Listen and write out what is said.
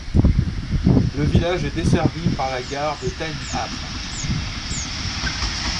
Le village est desservi par la gare de Teynham.